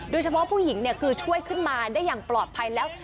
โดยเฉพาะผู้หญิงเนี่ยคือช่วยขึ้นมาได้อย่างปลอดภัยแล้ว